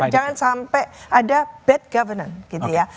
jangan sampai ada bad governance gitu ya